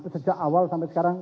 sejak awal sampai sekarang